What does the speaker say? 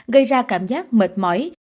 gây ra cảm giác mệt mỏi